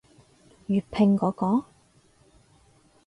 粵拼嗰個？